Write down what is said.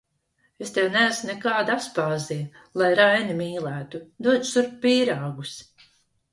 Es tev neesmu nekāda Aspazija, lai Raini mīlētu, dod šurp pīrāgus!